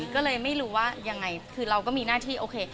ก็เลยไม่รู้ว่ายังไงคือเราก็มีหน้าที่โอเค